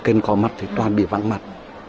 những người không có mặt thì toàn bị vắng mặt